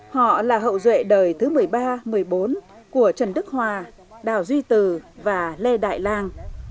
họ là hậu duệ đời thứ một mươi ba một mươi bốn của trần đức hòa đào duy từ và lê đại lan